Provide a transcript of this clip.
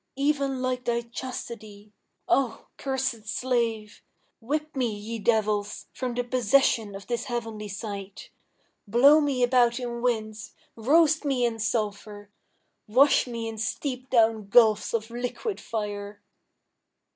Even like thy chastity O, cursèd slave! Whip me, ye devils, From the possession of this heavenly sight! Blow me about in winds! roast me in sulphur! Wash me in steep down gulfs of liquid fire!